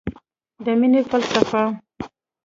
د مینې فلسفه